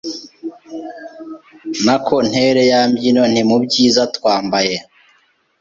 Nako ntere ya mbyino Nti:mu byiza twambaye